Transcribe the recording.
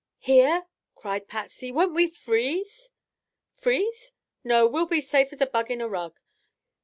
"Here?" cried Patsy. "Won't we freeze?" "Freeze? No, we'll be safe as a bug in a rug.